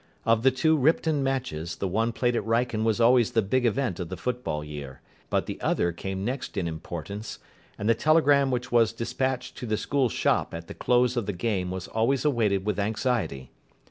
Of the two Ripton matches, the one played at Wrykyn was always the big event of the football year; but the other came next in importance, and the telegram which was despatched to the school shop at the close of the game was always awaited with anxiety.